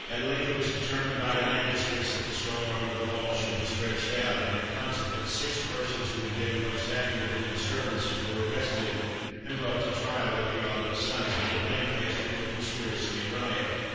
At length, it was determined by the magistrates that the strong arm of the law should be stretched out, and in consequence, six persons who had been most active in the disturbances were arrested, and brought to trial at the autumn assizes at Lancaster, for conspiracy and riot.